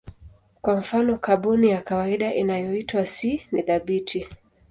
Kwa mfano kaboni ya kawaida inayoitwa C ni thabiti.